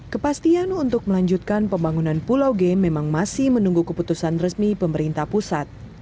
kepastian untuk melanjutkan pembangunan pulau g memang masih menunggu keputusan resmi pemerintah pusat